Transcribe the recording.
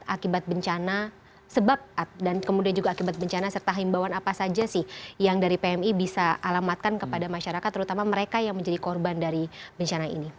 akibat bencana sebab dan kemudian juga akibat bencana serta himbawan apa saja sih yang dari pmi bisa alamatkan kepada masyarakat terutama mereka yang menjadi korban dari bencana ini